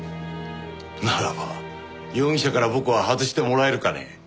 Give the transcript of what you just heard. ならば容疑者から僕は外してもらえるかね？